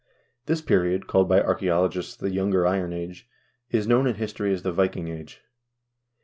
This period, called by archaeologists the Younger Iron Age, is known in history as the Viking Age.